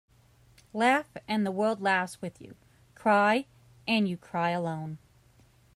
Laugh and the world laughs with you. Cry and you cry alone.